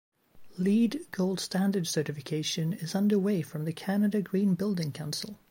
Leed Gold Standard certification is underway from the Canada Green Building Council.